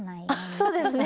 そうですね。